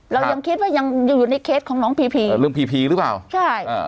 เรายังคิดว่ายังอยู่ในเคสของน้องพีพีเออเรื่องพีพีหรือเปล่าใช่อ่า